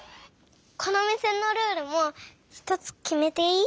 このおみせのルールもひとつきめていい？